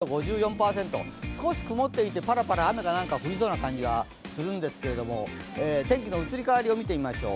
現在、赤坂１１．８度、湿度５４％、少し曇っていて、パラパラ雨が降りそうな感じがするんですが、天気の移り変わりを見てみましょう。